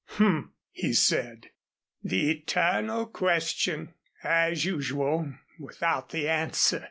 "H m," he said, "the Eternal Question as usual without the answer.